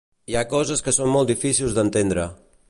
Hi ha coses que són molt difícils d’entendre.